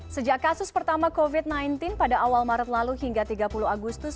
sejak kasus pertama covid sembilan belas pada awal maret lalu hingga tiga puluh agustus